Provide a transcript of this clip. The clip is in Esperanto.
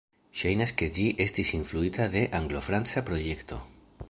Ŝajnas ke ĝi estis influita de Anglo-franca projekto.